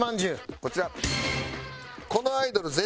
こちら。